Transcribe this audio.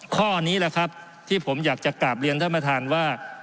ข้อนี้แหละครับที่ผมอยากจะกลับเรียนท่านประธานว่า